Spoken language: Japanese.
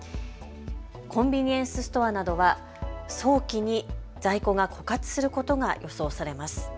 コンビニエンスストアなどは早期に在庫が枯渇することが予想されます。